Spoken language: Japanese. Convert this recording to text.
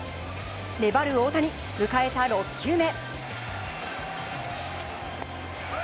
粘る大谷、迎えた６球目。